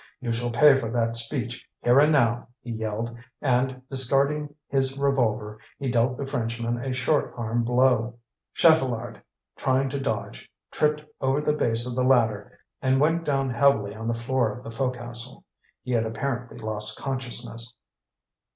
"You shall pay for that speech here and now!" he yelled; and, discarding his revolver, he dealt the Frenchman a short arm blow. Chatelard, trying to dodge, tripped over the base of the ladder and went down heavily on the floor of the fo'cas'le. He had apparently lost consciousness.